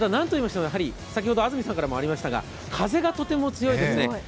またなんといいましても安住さんからもありましたが風がとても強いですね。